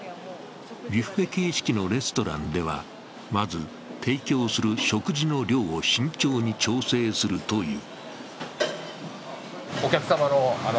ビュッフェ形式のレストランではまず提供する食事の量を慎重に調整するという。